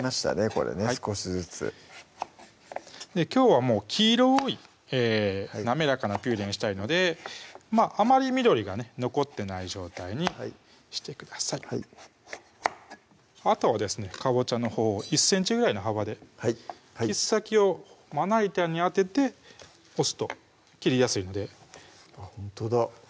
これね少しずつきょうはもう黄色い滑らかなピューレにしたいのであまり緑がね残ってない状態にしてくださいあとはですねかぼちゃのほうを１ｃｍぐらいの幅で切っ先をまな板に当てて押すと切りやすいのであっほんとだ